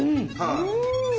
うん！